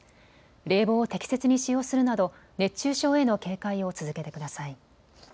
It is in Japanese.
冷房を適切に使用するなど熱中症への警戒を続けてください。